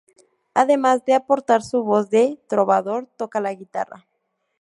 Además de aportar su "voz de trovador", toca la guitarra.